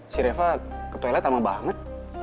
si reva ke toilet lama banget